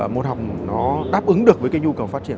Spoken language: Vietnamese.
môn học nó đáp ứng được với cái nhu cầu phát triển